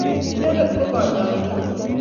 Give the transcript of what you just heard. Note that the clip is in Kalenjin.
Inendet ko kanyoindet.